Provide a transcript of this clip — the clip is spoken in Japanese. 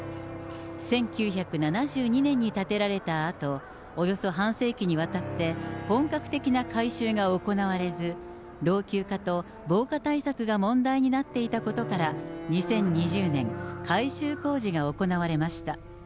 １９７２年に建てられたあと、およそ半世紀にわたって、本格的な改修が行われず、老朽化と防火対策が問題になっていたことから、２０２０年、改修工事が行われました。